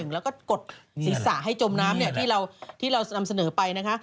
แล้วก็กดศีรษะให้จมน้ำที่เรานำเสนอไปนะคะ